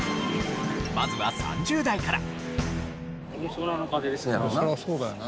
まずは３０代から。